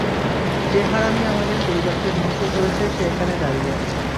যে হারামি আমাদের পরিবারকে ধ্বংস করেছে সে এখানে দাঁড়িয়ে আছে।